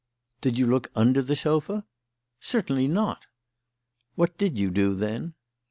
"Did you look under the sofa?" "Certainly not!" "What did you do, then?"